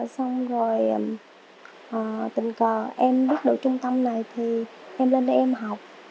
xong rồi tình cờ em biết đội trung tâm này thì em lên đây em học